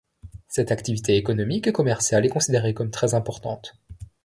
Cette activité économique et commerciale est considérée comme très importante.